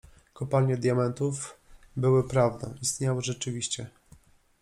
— Kopalnie diamentów były prawdą… istniały rzeczywiście!